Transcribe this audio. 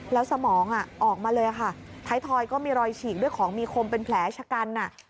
แล้วสมองออกมาเลยค่ะท้ายทอยก็มีรอยฉีกด้วยของมีคมเป็นแผลชะกัน